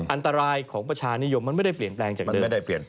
อันตรายของประชานิยมมันไม่ได้เปลี่ยนแปลงจากเดิม